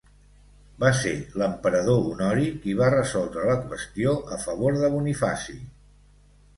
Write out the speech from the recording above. Va ser l'emperador Honori qui va resoldre la qüestió a favor de Bonifaci.